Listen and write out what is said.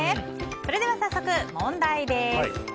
それでは早速、問題です。